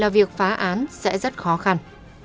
việc phá án sẽ rất khó khăn